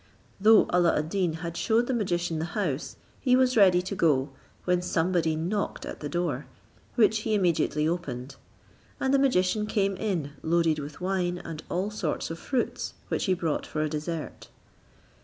Though Alla ad Deen had shewed the magician the house, he was ready to go, when somebody knocked at the door, which he immediately opened: and the magician came in loaded with wine, and all sorts of fruits, which he brought for a dessert.